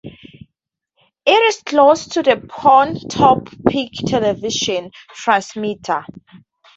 It is close to the Pontop Pike Television Transmitter.